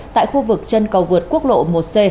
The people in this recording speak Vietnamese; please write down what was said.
tại khu vực chân cầu vượt quốc lộ một c